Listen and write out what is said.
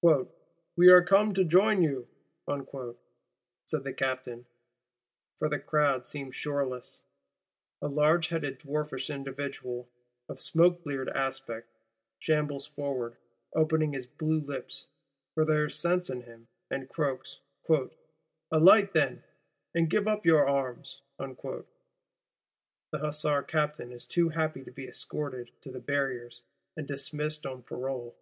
'We are come to join you,' said the Captain; for the crowd seems shoreless. A large headed dwarfish individual, of smoke bleared aspect, shambles forward, opening his blue lips, for there is sense in him; and croaks: 'Alight then, and give up your arms!' the Hussar Captain is too happy to be escorted to the Barriers, and dismissed on parole.